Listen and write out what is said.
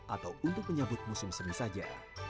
atau untuk menyebut musim seni saja